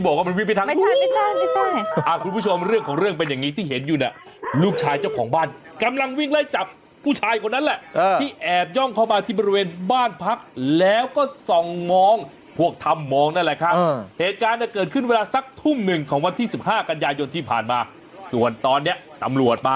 ก็เจ้าตัวมันวิ่งไงอ๋อวิ่งแล้วทิ้งรถเอาไว้เลยอ่ะเออขากลับลืมหรอโอ้ยไม่ได้ลืมหรอก